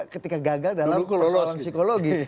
ketika gagal dalam persoalan psikologi